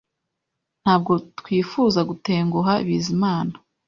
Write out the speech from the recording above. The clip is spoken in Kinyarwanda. Ntabwo twifuza gutenguha Bizimana